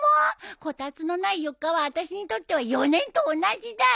こたつのない４日はあたしにとっては４年と同じだよ。